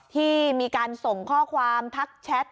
ที่มีการส่งข้อความทักแชท